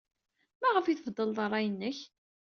Maɣef ay tbeddled ṛṛay-nnek?